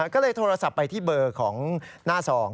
ก็เลยโทรศัพท์ไปที่เบอร์ของหน้าซอง